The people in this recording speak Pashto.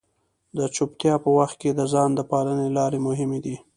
د چپتیا په وخت کې د ځان د پالنې لارې مهمې دي.